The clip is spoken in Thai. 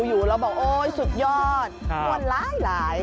ดูอยู่แล้วบอกโอ้ยสุดยอดวันหลายหลาย